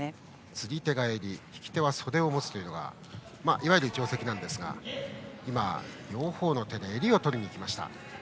釣り手が襟引き手は袖を持つというのがいわゆる定石ですが、両方の手で襟を取りにいっています